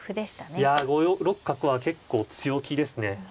いや５六角は結構強気ですねそれはそれで。